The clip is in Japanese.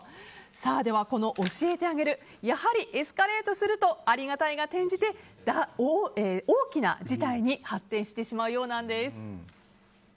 ではこの教えてあげるやはりエスカレートするとありがたいが転じて大きな事態に発展してしまうようなんです。